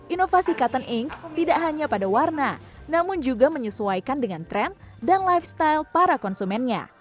inovasi cotton inc tidak hanya pada warna namun juga menyesuaikan dengan tren dan lifestyle para konsumennya